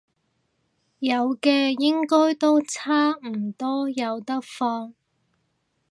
有嘅，應該都差唔多有得放